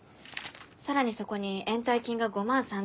さらにそこに延滞金が５万３６００円。